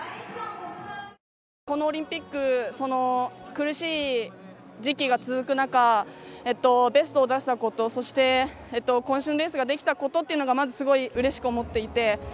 このオリンピック苦しい時期が続く中、ベストを出せたことそしてこん身のレースができたことがまずすごいうれしく思っていて。